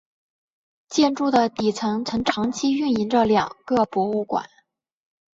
建筑的底层曾长期运营着两个博物馆。